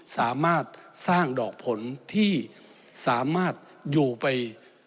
สามารถสร้างดอกผลที่สามารถอยู่ไป